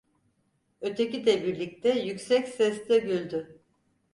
Öteki de birlikte yüksek sesle güldü...